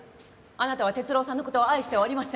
あなたは哲郎さんの事を愛してはおりません。